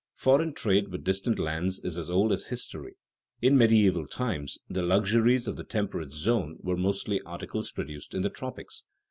Foreign trade with distant lands is as old as history. In medieval times the luxuries of the temperate zone were mostly articles produced in the tropics.